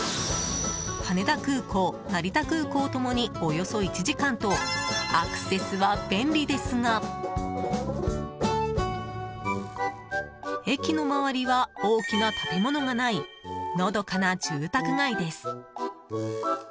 羽田空港、成田空港共におよそ１時間とアクセスは便利ですが駅の周りは大きな建物がないのどかな住宅街です。